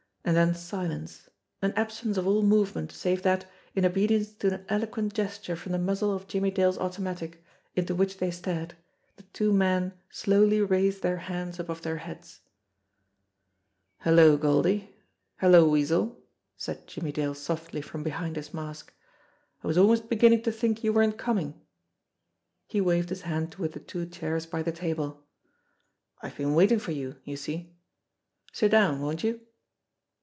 And then silence, an absence of all movement, save that, in obedience to an eloquent gesture from the muzzle of Jimmie Dale's automatic into which they stared, the two men slowly raised their hands above their F1G3.QS "Hello, Goldie! Hello, Weasel!" said Jimmie Dale softly from behind his mask. "I was almost beginning to think you weren't coming." He waved his hand toward the two chairs by the table. "I've been waiting for you, you see. Sit down, won't you